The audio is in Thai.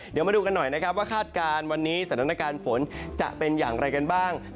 เดี๋ยวมาดูกันหน่อยนะครับว่าคาดการณ์วันนี้สถานการณ์ฝนจะเป็นอย่างไรกันบ้าง